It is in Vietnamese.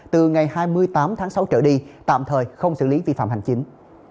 từ ngày hai mươi tám tháng sáu trở đi tạm thời không xử lý vi phạm hành chính